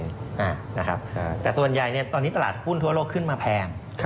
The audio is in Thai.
อ่านะครับแต่ส่วนใหญ่เนี่ยตอนนี้ตลาดหุ้นทั่วโลกขึ้นมาแพง